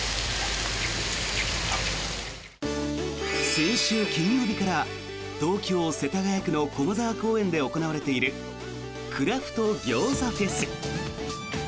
先週金曜日から東京・世田谷区の駒沢公園で行われているクラフト餃子フェス。